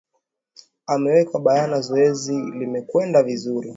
ameweka bayana zoezi limekwenda vizuri